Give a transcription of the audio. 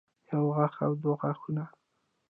يو غاښ او دوه غاښونه